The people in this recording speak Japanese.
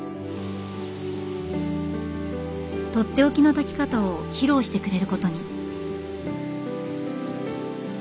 取って置きの炊き方を披露してくれることに。